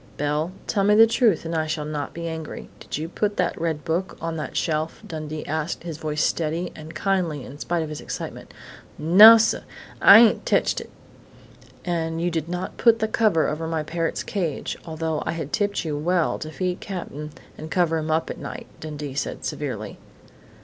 "Belle, tell me the truth, and I shall not be angry: did you put that red book on that shelf?" Dundee asked, his voice steady and kindly in spite of his excitement. "Nossuh! I ain't teched it!" "And you did not put the cover over my parrot's cage, although I had tipped you well to feed Cap'n and cover him at night," Dundee said severely.